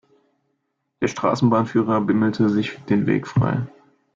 Der Straßenbahnführer bimmelte sich den Weg frei.